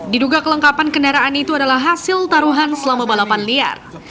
diduga kelengkapan kendaraan itu adalah hasil taruhan selama balapan liar